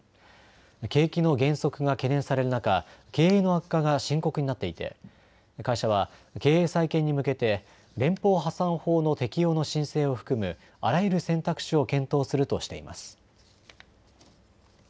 景気の減速が懸念される中経営の悪化が深刻になっていて会社は経営再建に向けて連邦破産法の適用の申請を含むあらゆる選択肢を検討するとしています。